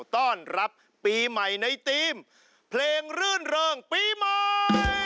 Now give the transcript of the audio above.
ต้อนรับปีใหม่ในธีมเพลงรื่นเริงปีใหม่